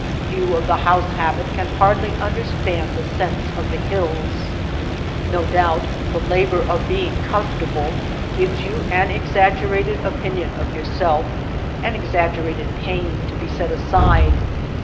You of the house habit (' can hardly understand the sense of the \ hills. No doubt the labor of being com fortable gives you an exaggerated opinion of yourself, an exaggerated pain to be set aside.